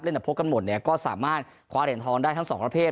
พบกันหมดเนี่ยก็สามารถคว้าเหรียญทองได้ทั้งสองประเภท